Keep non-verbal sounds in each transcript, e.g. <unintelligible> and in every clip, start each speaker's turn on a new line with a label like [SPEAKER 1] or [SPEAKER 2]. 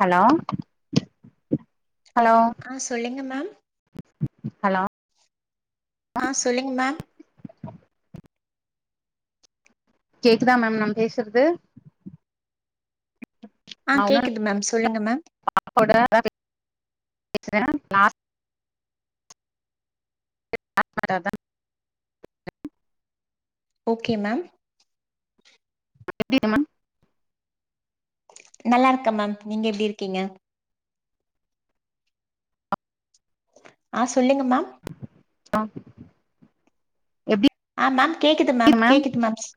[SPEAKER 1] Hello hello
[SPEAKER 2] ஆ சொல்லுங்க ma'am
[SPEAKER 1] hello
[SPEAKER 2] ஆ சொல்லுங் மேம்
[SPEAKER 1] கேக்குதா மேம் நம் பேசுற்து
[SPEAKER 2] ஆ கேக்குது மேம் சொல்லுங்க மேம்
[SPEAKER 1] <inaudible> கொட <inaudible> <inaudible>
[SPEAKER 2] ஓகே மேம்
[SPEAKER 1] எப்டி <unintelligible>
[SPEAKER 2] நல்லார்க்க மேம் நீங்க எப்டி இருக்கீங்க ஆ சொல்லுங்க மேம்
[SPEAKER 1] ஆ எப்டி
[SPEAKER 2] ஆ மேம் கேக்குது மேம் கேக்குது மேம் ஸ்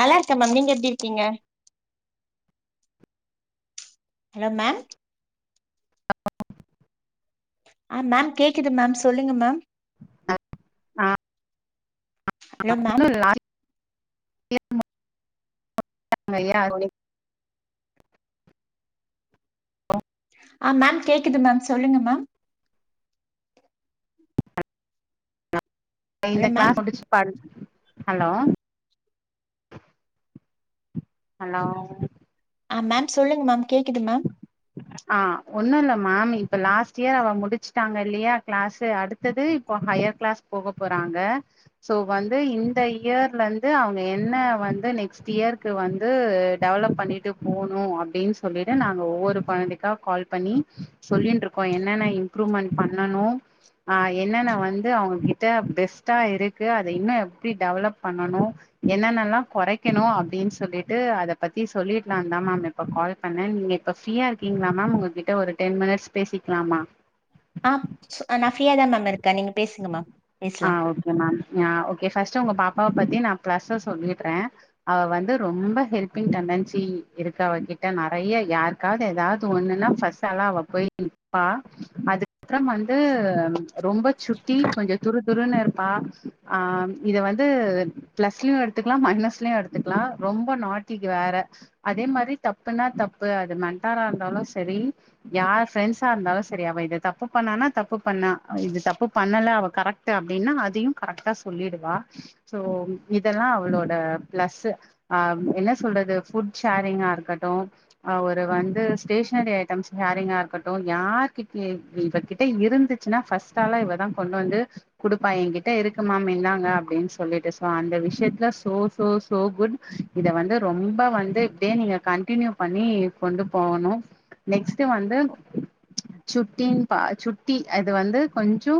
[SPEAKER 2] நல்லார்க்க மேம் நீங்க எப்டி இருக்கீங்க ஹலோ மேம்
[SPEAKER 1] <inaudible>
[SPEAKER 2] ஆ மேம் கேக்குது மேம் சொல்லுங்க மேம்
[SPEAKER 1] ஆ
[SPEAKER 2] ஹலோ மேம்
[SPEAKER 1] <unintelligible> <unintelligible> ப்ரோ
[SPEAKER 2] ஆ மேம் கேக்குது மேம் சொல்லுங்க மேம் ஹலோ
[SPEAKER 1] இந்த
[SPEAKER 2] மேம்
[SPEAKER 1] க்ளாஸ் முடிச்சி பாரு ஹலோ ஹலோ
[SPEAKER 2] ஆ மேம் சொல்லுங் மேம் கேக்குது மேம்
[SPEAKER 1] ஆ ஒன்னுல்ல மேம் இப்ப லாஸ்ட் இயர் அவ முடிச்ட்டாங்க இல்லையா க்ளாஸே அடுத்தது இப்ப ஹையர் க்ளாஸ் போக போறாங்க ஸோ வந்து இந்த இயர்லந்து அவங்க என்ன வந்து நெக்ஸ்ட்யியர்க்கு வந்து உட் டெவலப் பண்ணிட்டு போணு அப்டின் சொல்லி எ நாங்க ஒவ்வொரு கொழந்தைக்கா கால் பண்ணி சொல்லின்ருக்கோ என்னென்ன இம்ப்ரூவ்மன் பண்ணனு ஆ என்னன்ன வந்து அவங்க கிட்ட பெஸ்ட்டா இருக்கு அத இன்னு எப்டி டெவலப் பண்ணணு என்னன்னல்லா குறைக்கணு அப்டின் சொல்லிட்டு அத பத்தி சொல்லிட்லாந்தா மேம் இப்ப கால் பண்ண நீங்க இப்ப ஃப்ரீயா இருக்கீங்ளா மேம் உங்க கிட்ட ஒரு டென் மினிட்ஸ் பேசிக்கலாமா
[SPEAKER 2] ஆப்ச்சு அ நா ஃபிரியாதா மேம் இருக்கே நீங்க பேசுங்க மேம்
[SPEAKER 1] ஆ
[SPEAKER 2] பேசலா
[SPEAKER 1] okay ma'am yeah okay first உங்கள் பாப்பாவ பத்தி நா ப்ளஸ்ஸ சொல்லிட்ற அவ வந்து ரொம்ப ஹெல்பிங் டெண்டன்சி இருக்கு அவ கிட்ட நறைய யார் காது எதாவ்து ஒண்ணுன்னா ஃபஸ்ஸல்லா அவ போய் இப்பா அதுக்த்றம் வந்து ரொம்ப ச்சுத்தி கொஞ்சு துரு துருன்னு இருப்பா ஆம் இத வந்து ப்ளஸ்லியு எடுத்துக்லாம் மைனஸ்லியு எடுத்துக்லா ரொம்ப நாட்டிக்கு வேற அதே மாரி தப்புன்னா தப்பு அது மண்டாரா இருந்தாலு சரி யார் ஃப்ரெண்ஸா இருந்தாலு சரி அவ இத தப்பு பண்ணானா தப்பு பண்ணா ஆ இது தப்பு பண்ணல அவ கரக்ட்டு அப்டின்னா அதையு கரக்டா சொல்லிடுவா சோம் இதெல்லா அவளோட ப்ளஸ்ஸு ஆம் என்ன சொல்றது ஃபுட் ஷேரிங்காருக்கட்டு அ ஒரு வந்து ஸ்டேஷ்னரி ஐட்டம்ஸ் ஹேரிங்காருக்கட்டு யார் கிட் இ இவக்கிட்ட இருந்து ச்சுனா ஃபஸ்ட்டாளா இவ தா கொண்டு வந்து குடுப்பா ஏங்கிட்ட இருக்குமேம் இந்தாங்க அப்டின் சொல்லிட்டு சோ அந்த விஷயத்துல சோ சோ சோ குட் இத வந்து ரொம்ப வந்து இப்டே நீங்க கண்டின்யூ பண்ணி கொண்டு போகணு நெக்ஸ்ட்டு வந்து சுட்டின் பா சுட்டி அது வந்து கொஞ்சோ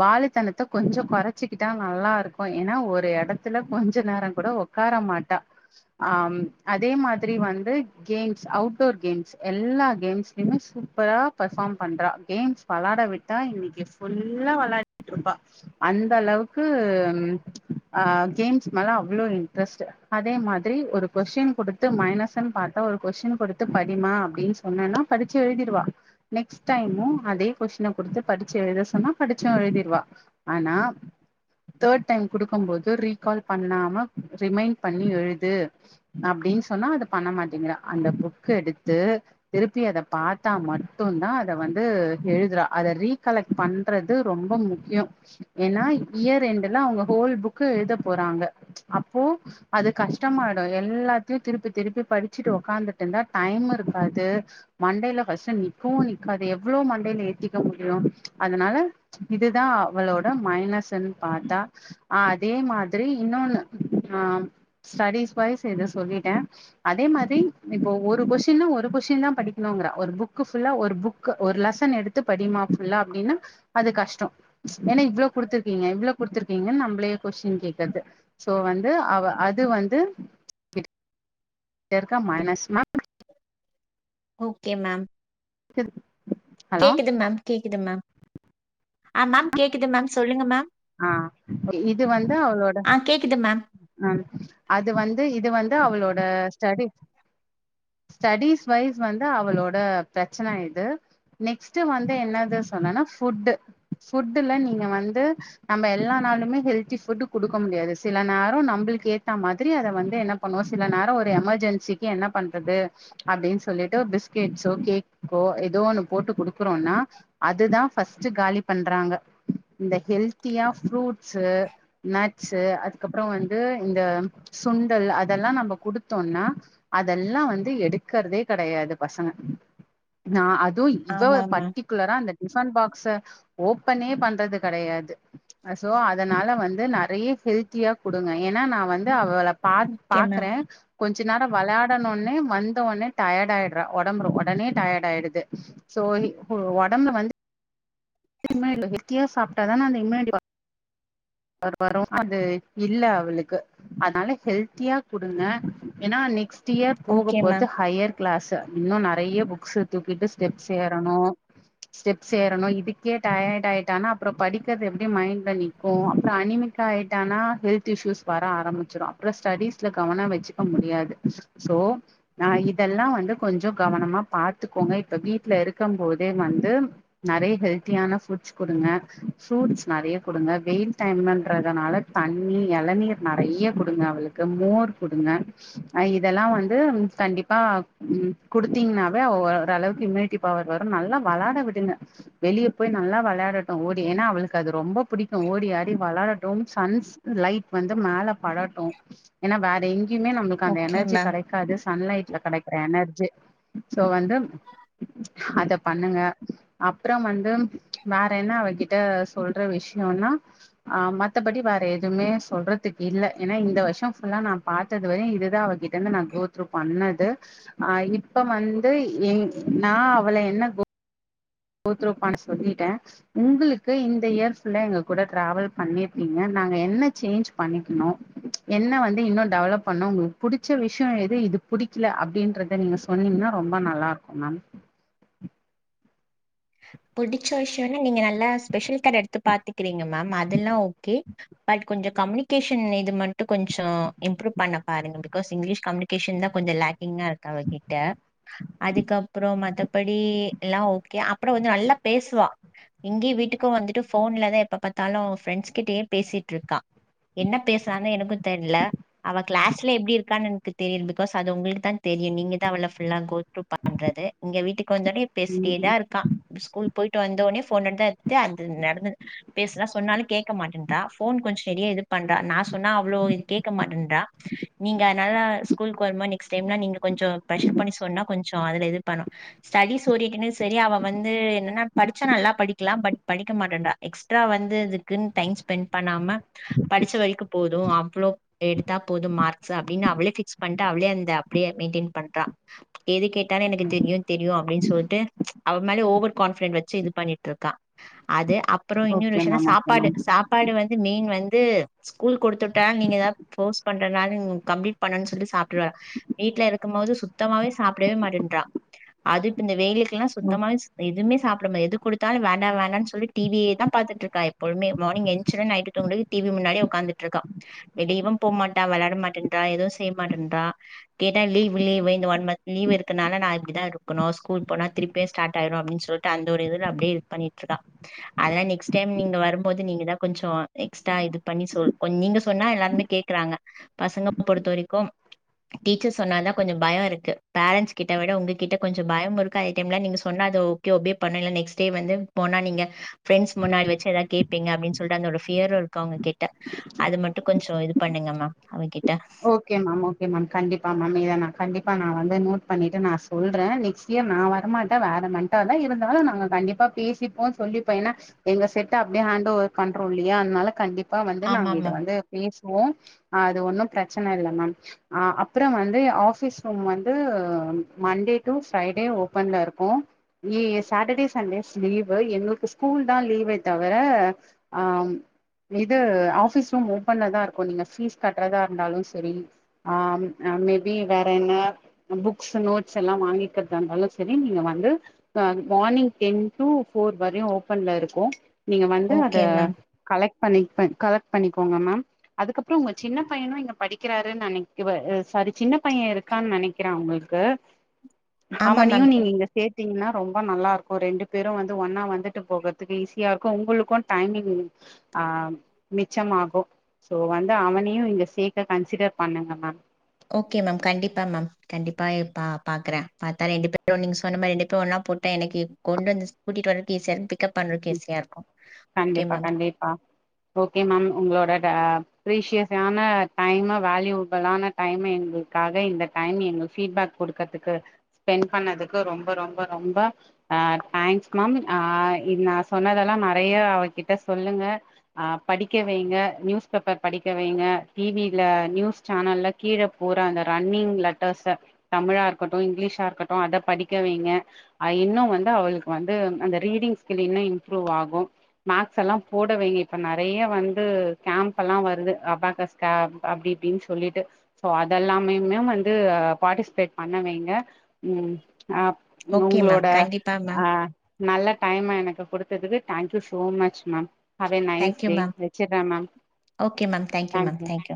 [SPEAKER 1] வாலுத்தனத்த கொஞ்சோ கொறச்சிக்கிட்டா நல்லா இருக்கோ ஏனா ஒரு எடத்துல கொஞ்ச நேரன் கூட ஓ உ்க்கார மாட்டா ஆம் அதே மாத்ரி வந்து கேம்ஸ் அவுட்டோர் கேம்ஸ் எல்லா கேம்ஸ்ல்யுமே சூப்பரா பர்ஃபார்ம் பண்றா கேம்ஸ் பளாட விட் தா இன்னிக்கு ஃபுல்லா வெளாட்ருப்பா அந்த அளவுக்கு அம் ஆ கேம்ஸ் மேல அவ்ளோ இன்ட்ரஸ்ட்டு அதே மாத்ரி ஒரு கொஷ்ஷின் கொடுத்து மைனஸன் பாத்தா ஒரு கொஷ்ஷன கொடுத்து படிமா அப்டின் ச ஒன்னொன்னா படிச்சி எழுதிடுவா நெக்ஸ்ட் டைும்மு அதே கொஷினுப் குடுத்து படிச்சு எழுத சொன்னா படிச்சு எழுதிடுவா ஆனா தேட் டைம் குடுக்கும் போது ரீ கால் பண்ணாம ரிமைண் பண்ணி எழுது அப்டின் சொன்னா அத பண்ண மாட்டேங்றா அந்த புக் எடுத்து திருப்பி அத பாத்தா மட்டுன்தா அத வந்து எழுதுறா அத ரீகலக்ட் பண்றது ரொம்ப முக்யு ஏன்னா இயர் எண்டுல அவங்க ஹோல் புக்கு எழுத போறாங்க அப்போ அது கஷ்டமாய்டு எல்லாத்யு திருப்பி திருப்பி படிச்சுட்டு உக்காந்துட்டுந்தா டைம் இருக்காது மண்டைய்ல ஃபஸ்ட்டு நிக்கவு நிக்காது எவ்ளோ மண்டைய்லே திக்க முடியு அதனால இதுதா அவளோட மைனஸன் பாத்தா ஆ அதே மாதிரி இன்னொன்னு ஆம் ஸ்டடிஸ் வைஸ் இத சொல்லிட்டே அதே மாரி இப்போ ஒரு கொஷின்னு ஒரு கொஷின்னா படிக்ணும்ங்கறா ஒரு புக்கு ஃபுல்லா ஒரு புக்கு ஒர் லெசன் எடுத் த்து படிமா ஃபுல்லா அப்டின்னா அது கஷ்டோ ஏன்னா இவ்ளோ குடுத்துர்க்கீங்க இவ்ளோ குடுத்துர்க்கீங்கன் நம்ப்ளே கொஷின் கேக்கற்து சோ வந்து அவ அது வந்து கிட் யர்க்க மைனஸ் மேம்
[SPEAKER 2] ஓகே மேம்
[SPEAKER 1] கெது
[SPEAKER 2] கேக்குது மேம் கேக்குது மேம் ஆ மேம் கேக்குது மேம் சொல்லுங்க மேம்
[SPEAKER 1] ஆ இது வந்து அவ்ளோட
[SPEAKER 2] ஆ கேக்குது மேம்
[SPEAKER 1] அம் அது வந்து இது வந்து அவ்ளோட ஸ்டடி ஸ்டடிஸ் வைஸ் வந்து அவளோட ப்ரச்சன இது நெக்ஸ்ட்டு வந்து என்னது சொன்னன்னா ஃபுட்டு ஃபுட்டுல நீங்க வந்து நம்ப எல்லா நாளுமே ஹெல்தி ஃபுட்ட குடுக்க முடியாது சில நேரு நம்பள்க்கு ஏத்தா மாதிரி அத வந்து என்னப் பண்ணுவோ சில நேரோ ஒரு எமர்ஜென்சிக்கி என்ன பண்றது அப்டின் சொல்லிட்டு பிஸ்கட்ஸோ கேக்கோ ஏதோ ஒண்ணு போட்டு குடுக்றோனா அதுதா ஃபஸ்ட்டு காலி பண்றாங்க இந்த ஹெல்த்தியா ஃப்ரூட்ஸு நட்சு அதுக்கப்றோ வந்து இந்த சுண்டல் அதெல்லா நம்ம குடுத்தோனா அதல்லா வந்து எடுக்கற்தே கடையாது பசங்க நா அதூ இவ
[SPEAKER 2] ஆமா மேம்
[SPEAKER 1] பட்டி க்குலரா அந்த டிஃபன் பாக்ஸ ஓப்பனே பண்றது கடையாது அ சோ அதனால வந்து நெறை ஹெல்த்தியா குடுங்க ஏன்னா நா வந்து அவளப் பாட்
[SPEAKER 2] ஓகே மேம்
[SPEAKER 1] பாக்றே கொஞ்ச நேரோ வெளாடனுனே வந்த ஒன்னே டயட் ஆய்ட்றா ஒடம்ப்று ஒடனே டயட் ஆய்டுது சோனி போ ஒடம்ல வந்து <unintelligible> ஹல்த்தியா சாப்ட்டா தான் அந்த இமியூனிட்டி <unintelligible> வரு அது இல்ல அவளுக்கு அதனால ஹெல்த்தியா குடுங்க ஏன்னா நெக்ஸ்ட் இயர் போக
[SPEAKER 2] ஓகே மேம்
[SPEAKER 1] போறது ஹையர் கிளாஸ்ஸு இன்னு நெறய புக்ஸு தூக்கிட்டு ஸ்டெப்ஸு ஏறணு ஸ்டெப்ஸ் ஏறணு இதுக் க்கே டயர்ட் ஆயிட்டானா அப்றம் படிக்கிறது எப்டி மைண்ட்ல நிக்கும் அப்றம் அணிமிக்க ஆயிட்டானா ஹெல்த் து ஸ்யுஸ் வர ஆரம்பிச்சிரும் அப்றம் ஸ்டடிஸ்ல கவனம் வச்சுக்க முடியாது சோ ம் இதெல்லாம் வந்து கொஞ்சம் கவனமா பாத்துக்கோங்க இப்ப வீட்ல இருக்கும் போதே வந்து நெறைய ஹெல்த் தியான ஃபுட்ஸ் கொடுங்க ஃபுரூட்ஸ் நெறைய கொடுங்க வெயில் டைம்ன்றதுனால தண்ணி இளநீர் நெறைய கொடுங்க அவளுக்கு மோர் கொடுங்க அ இதெல்லா வந்து கண்டிப்பா குடுத்தீங்கன்னாதா அவ ஓரளவுக்கு இம்யூனிட்டி அப்ப அவர் வரு நல்லா வெளாட விடுங்க வெளியே போய் நல்லா வெளயாடட்டு ஓடி ஏன்னா அவளுக்கு அது ரொம்ப புடிக்கு ஓடி ஆடி வெளாடட்டும் சன்ஸ் லைட் வந்து மேல படட்டும் ஏன்னா வேற எங்கேயுமே நம்ம இங்கு அந்த
[SPEAKER 2] ஓகே
[SPEAKER 1] எனர்ஜி
[SPEAKER 2] மேம்.
[SPEAKER 1] கெடைக்காது சன்லைட்ல கெடைக்கற எனர்ஜி சோ வந்து அத பண்ணுங்க அப்றம் வந்து வேற என்ன அவகிட்ட சொல்ற விஷயோனா ஆ மத்தபடி வேற எதுமே சொல்றதுக்கு இல்ல ஏன்னா இந்த வருஷோ ஃபுல்லா நா பாத்தது வரையு இதுதான் அவ கி ட்ட என்ன‌ நா கோத்ரூ பண்ணது அ இப்ப வந்து எ நா அவள என்ன கோ கோத்துரூ பன்ன சொல்லிட்டே உங்களுக்கு இந்த இயர் ஃபுல்லா எங்க கூட டிராவல் பண்ணிருக்கீங்க நாங்க என்ன சேஞ்ச் பண்ணிக்கணு என்ன வந்து இன்னு டெவலப் பண்ணு உங்களுக்கு புடிச்ச விஷயோ எது இது புடிக்கல அப்டின்றத நீங்க சொ ன்னீங்கன்னா ரொம்ப நல்லா இருக்கு மேம்
[SPEAKER 2] புடிச்ச விஷயோனா நீங்க நல்லா ஸ்பெஷல் கேர் எடுத்து பாத்துக்கறீங்க மேம் அதெல்லா ஓகே பட் கொஞ்சோ கம்யூனிகேஷன் இது மட்டு கொஞ்சோ இம்ப்ரூவ் பண்ண பாருங்க பிகாஸ் இங்கிலீஷ் கம்யூனி கேஷன் தா கொஞ்சோ லே கிங்கா இருக்கு அவகிட்ட அதுக்கப்புறோ மத்தபடி எல்லா ஓகே அப் புறோ வந்து நல்லா பேசுவா இங்கியு வீட்டுக்கு வந்துட்டு ஃபோன்லதா எப்ப பாத்தாலு ஃப்ரெண்ட்ஸ் கிட்டயே பேசிட்ருக்கா என்ன பேசுறான்னு எனக்கு தெர்ல அவ கிளாஸ்ல எப்டி இருக்கான்னு எனக்கு தெரியு பிகாஸ் அது உங்களுக்கு தான் தெரியு நீங்கதா அவள ஃபுல்லா கோத்ரூ ப ண்றது இங்க வீட்டுக்கு வந்தோனே பேசிட்டேதா இருக்கா ஸ்கூல் போயிட்டு வந்தோனே ஃபோன் தா எடுத்து அது நடந்தது பேசலா சொன்னாலு கேக்க மாட்டேன்றா ஃபோன் கொஞ்ச நெறையா இது பண்றா நா சொன்னா அவ்ளோ இது கேட்க மாட்டேன்றா நீங்க அதனால ஸ்கூலுக்கு வருமா நெக்ஸ்ட் டைம்லா நீங்க கொஞ்சோ ப்ரெஷர் பண்ணி சொன்னா கொஞ்சோ அதுல இது பண்ணு ஸ்டடிஸ் ஓரிகின்னு செரி அவ வந்து என்னன்னா படிச்சா நல்லா படிக்கலா பட் படிக்க மாட்டேன்றா எக்ஸ்ட்ரா வந்து இதுக்குன்னு டைம் ஸ்பெண்ட் பண்ணாம படிச்ச வரைக்கு போது அவ்ளோ எடுத்தா போது மார்க் ச அப்டின்னு அவளே ஃபிக்ஸ் பண்ட்டு அவளே அந்த அப்டியே மெயின்டென் பண்றா எது கேட்டாலு எனக்கு
[SPEAKER 1] ம்
[SPEAKER 2] தெரியு தெரியு அப்டின்னு சொல்ட்டு அவ மேலே ஓவர் கான்ஃபிடென்ட் வச்சு இது பண்ணிட்டு இருக்கா அது அப் அப்றோ இன்னொரு
[SPEAKER 1] ஓகே
[SPEAKER 2] விஷயோனா
[SPEAKER 1] மேம் ஓகே
[SPEAKER 2] சாப்பாடு
[SPEAKER 1] மேம்
[SPEAKER 2] சா பாடு வந்து மெயின் வந்து ஸ்கூல் கொடுத்துட்டா நீங்க ஏதாவது போர்ஸ் பண்றதுனாலும் கம்ப்லிட் பண்ணன்னனு சொல்லிட்டு சாப்டுவ வீட்ல இருக்கும் போது சுத்தமாவே சாப்டவே மாட்டேன்றா அது இப்ப இந்த வெயிலுக்குல்லாம் சுத்தமாவே எதுவுமே சாப்டமா எது கொடுத்தாலும் வேண்டாம் வேண்டாம்னு சொல்லி டி வியே தான் பாத்துட்டு இருக்கா எப்பழுமே மார்னிங் ஏஞ்சோனி நைட்டு துங்க டிவி முன்னாடி உக்காந்துட்ருக்கா வெளியவு போமாட்டா வெளாட மாட்டேன்றா எது செய் மாட்டன்றா கேட்டா லீவ் லீ்வு இந்த ஒன் மந்த் லீவ் இருக்குனால நா இப்டிதா இருக்கணு ஸ்கூல் போனா திருப் பே ஸ்டாட் ஆய்ரு அப்டின் சொல்ட்டு அந்த ஒரு இதுல அப்டே இது பண்ணிட்ருக்கா அதுலா நெக்ஸ்ட் டைம் நீங்க வரும்போது நீங்கதா கொஞ்சோ எக்ஸ்ட்ரா இது பண்ணி சொல் கொன் நீங்க சொன்னா எல்லார்மே கேக் குறாங்க பசங்க பொறுத்து வரைக்கும் டீச்சர் சொன்னாதா கொஞ்சு பயோ இருக்கு பேரன்ஸ் கிட்டவிட உங்ககிட்ட கொஞ்சோ பயம் இருக்கு ஐ கெம்ல நீங்க சொன்ன அது ஓகே ஒபே பண்ணல நெக்ஸ் டே வந்து போனா நீங்க ஃப்ரெண்ஸ் முன்னாடி வச்சி எதாத் கேப் பீங்க அப்டின் சொல்ட்டு அந்த ஒரு ஃபியரு இருக்கு அவங்ககிட்ட அது மட்டு கொஞ்சோ இது பண்ணுங்க மா அவன்கிட்ட
[SPEAKER 1] ஓகே மேம் ஓகே மேம் கண்டிப்பா மேம் இத நா கண்டிப்பா நா வந்து நோட் பண்ணிட்டு நான் சொல்றே நெக்ஸ் ஏ மா வரமாட்டா வேற மன்ட்டா தா இருந்தாலு நாங்க கண்டிப்பா பேசிப்போ சொல்லிப்போ ஏன்னா எங்க செட்ட அப்டே ஹேண்ட ஓவர் கண்ட்ரோல்லியா அத்னால கண்டிப் ப்பா வந்து நாங்க
[SPEAKER 2] ஆமா
[SPEAKER 1] இத
[SPEAKER 2] மேம்
[SPEAKER 1] வந்து பேசுவோ ஆ து ஒன்னு ப்ரச்சன இல்ல மேம் அ அப்றம் வந்து ஆஃபிஸ் ரூம் வந்து மண்டே டு ஃப்ரைடே ஓபன்ல இருக்கு ஈ சாட்டடே சண்டே ஸ்லீவு எங்கள்க்கு ஸ்கூல் தா லீவே தவர ஆம் இது ஆஃபீஸ் ரூம் ஓப்பன்ல தா இருக்கு நீங்க ஃபீஸ் கட்றதா இருந்தாலு சரி ஆம் அ மேபி வேற என்ன அ புக்ஸு நோட்ஸ் எல்லா வாங்கிக்கற்தாலு சரி நீங்க வந்து தன் மார்னிங் டென் டு போஃர் வர்யு ஓபன்ல இருக்கு நீங்க வந்து அத
[SPEAKER 2] ஓகே மேம்
[SPEAKER 1] கலெக் பண்ணிக்பே கலெக் பண்ணிக்கோங்க மேம் அதுக்கப்றோ உங்க சின்ன பையனு இங்க படிக் க்கிறாரு நினைக் இப இ சாரி சின்ன பைய இருக்கான் நெனைக்கிறே அவங்கள்க்கு ஆமா நீயு நீங்க இங்க சேர் த்தீங்னா ரொம்ப நல்லார்க்கு ரெண்டு பேரு வந்து ஒன்னா வந்துட்டு போகுற்த்துக்கு ஈஸியா இருக்கு உங்களுக்கு டைமிங் ஆ மிச்சமாகு சோ வந்து அவனையு இங்க சே இத கன்சிடர் பண்ணுங்க மேம்
[SPEAKER 2] ஓகே மேம் கண்டிப்பா மேம் கண்டிப்பாய் பா பாக்குறே பாத்தா ரெண்டு பேரு நீங்க சொன்ன மாரி ரெண்டு போ ஒன்னா போட் ட எனக்கு கொண்டு வந்துஸ் கூட்டிட் வரக்கே இ சன் பிக்கப் பண்றக்கு ஈசியா இருக்கு கே மேம்
[SPEAKER 1] டீப்பா ஓகே மேம் உங்களோட ட ப்ரீஷியஸ்யான டைம வேல்யூ பெளான டைம்மு எங்கள்க்காக இந்த டைம் எங்க ஃபீட்பேக் கொடுக்கத்துக்கு ஸ்பெண் பண்ணதுக்கு ரொம்ப ரொம்ப ரொம்ப அ டேங்க்ஸ் மம் ஆய் இது நா சொன்னதல்லா நறையா அவகிட்ட சொல்லுங்க ஆ படிக்க வைங்க ந்யூஸ் பேப்பர் படிக்க வைங்க டிவில ந்யூஸ் சேனல்ல கீழ பூறா அந்த ரன்னிங் லட்டர்ஸ தமிழார் க்கட்டுஸ இங்க்லீஷா இருக்கட்டு அட படிக்க வைங்க ஆ இன்னு வந்து அவள்க்கு வந்து உம் அந்த ரீடிங்ஸ் ஸ்கில் இன்னு இம்ப்ரூவ் ஆகு மாக்ஸ் எல்லா போடவைய்யி இப்ப நறைய வந்து கேம்ப் எல்லா வருது அபேகஸ் காப் அப்டி இப்டின் சொல்லிட்டு சோ அதெல்லாமே மேம் வந்து அ பார்ட்டிஸ்பேட் பண்ண வைங்க உம் அப்
[SPEAKER 2] ஓகே மேம்.
[SPEAKER 1] உங்க்ளோட
[SPEAKER 2] கண்டிப்பா
[SPEAKER 1] அ
[SPEAKER 2] மேம்.
[SPEAKER 1] நல்லக் டைம்ம எனக்கு குடுத்ததுக்கு thank you so much ma'am have way nice
[SPEAKER 2] thank you
[SPEAKER 1] day
[SPEAKER 2] ma'am.
[SPEAKER 1] வெச்சிறே ma'am
[SPEAKER 2] okay ma'am. Thank you ma'am.
[SPEAKER 1] Thank you
[SPEAKER 2] thank you.